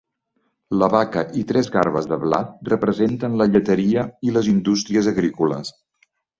La vaca i tres garbes de blat representen la lleteria i les indústries agrícoles.